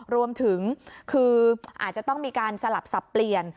รวมถึงคืออาจจะต้องมีการสลับสับเปลี่ยน